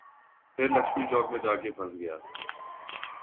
پھر لکشمی چوک میں جا کے پھنس گیا۔